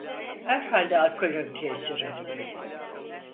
"Herhalde alkolün tesiri!" dedi.